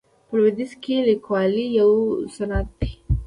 په لویدیځ کې لیکوالي یو صنعت دی.